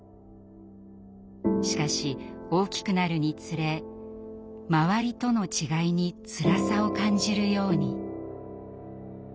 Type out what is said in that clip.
しかし大きくなるにつれ周りとの違いにつらさを感じるように。